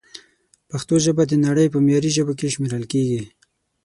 پښتو ژبه د نړۍ په معياري ژبو کښې شمېرل کېږي